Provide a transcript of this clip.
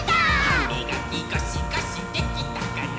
「はみがきゴシゴシできたかな？」